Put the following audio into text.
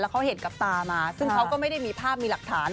เขาเห็นกับตามาซึ่งเขาก็ไม่ได้มีภาพมีหลักฐาน